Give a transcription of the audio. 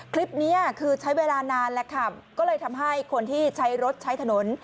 คลิปนี้คือใช้เวลานานแล้วค่ะก็เลยทำให้คนที่ใช้รถใช้ถนน